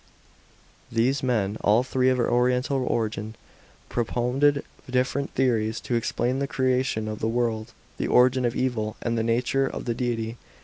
These men, all three of oriental origin, propounded different theories, to explain the creation of the world, the origin of evil, and the nature of the Deity.